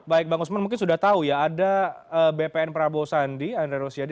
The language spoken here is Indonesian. baik bang usman mungkin sudah tahu ya ada bpn prabowo sandi andre rosiade